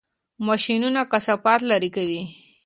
ماشینونه کثافات لرې کوي.